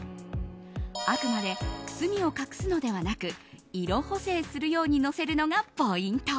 あくまでくすみを隠すのではなく色補正するようにのせるのがポイント。